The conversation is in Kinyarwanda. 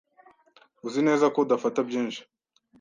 Uzi neza ko udafata byinshi?